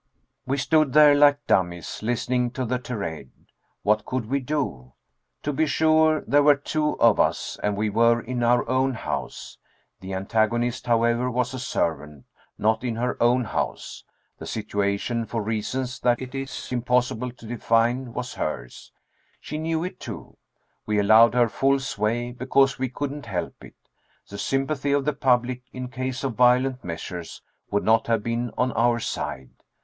We stood there like dummies, listening to the tirade. What could we do? To be sure, there were two of us, and we were in our own house. The antagonist, however, was a servant, not in her own house. The situation, for reasons that it is impossible to define, was hers. She knew it, too. We allowed her full sway, because we couldn't help it. The sympathy of the public, in case of violent measures, would not have been on our side.